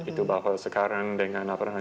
itu bahwa sekarang dengan